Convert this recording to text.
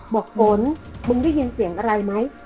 ฝนมึงได้ยินเสียงอะไรไหม